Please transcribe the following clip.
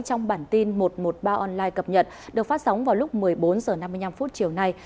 trong bản tin một trăm một mươi ba online cập nhật được phát sóng vào lúc một mươi bốn h năm mươi năm chiều nay